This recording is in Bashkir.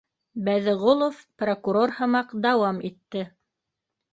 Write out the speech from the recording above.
Бәҙеғолов прокурор һымаҡ дауам итте: